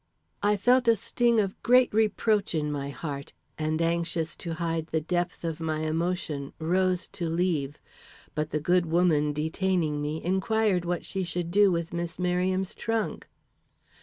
I felt the sting of a great reproach in my heart, and, anxious to hide the depth of my emotion, rose to leave. But the good woman, detaining me, Inquired what she should do with Miss Merriam's trunk.